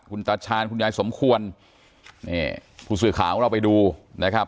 คุณตาชาญคุณยายสมควรนี่ผู้สื่อข่าวของเราไปดูนะครับ